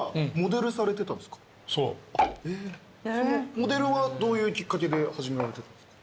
モデルはどういうきっかけで始められてた。